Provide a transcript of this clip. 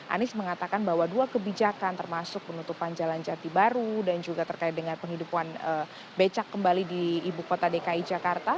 anies mengatakan bahwa dua kebijakan termasuk penutupan jalan jati baru dan juga terkait dengan penghidupan becak kembali di ibu kota dki jakarta